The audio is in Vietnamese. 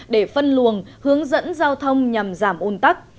để phân luồng hướng dẫn giao thông nhằm giảm ôn tắc